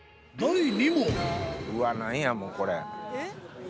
うわっ何や？もうこれ。